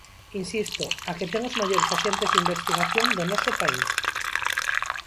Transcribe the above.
Insisto, a que ten os maiores axentes de investigación do noso país.